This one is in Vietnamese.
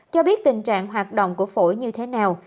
cho biết tình trạng hoạt động của phổi như thế nào